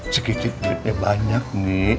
sekicik sekiknya banyak nih